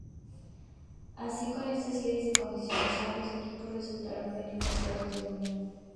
Así, con esta serie de condiciones, ambos equipos resultaron beneficiados de la unión.